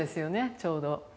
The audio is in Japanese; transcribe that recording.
ちょうど。